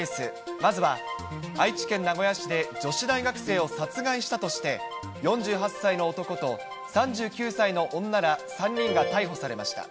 まずは、愛知県名古屋市で女子大学生を殺害したとして、４８歳の男と３９歳の女ら３人が逮捕されました。